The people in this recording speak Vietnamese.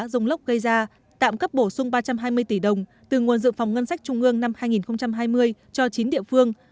rông lốc gây ra tạm cấp bổ sung ba trăm hai mươi tỷ đồng từ nguồn dự phòng ngân sách trung ương năm hai nghìn hai mươi cho chín địa phương